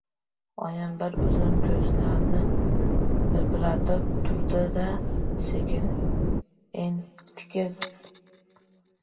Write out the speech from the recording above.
Oyim bir zum ko‘zlarini pirpiratib turdi-da, sekin, entikib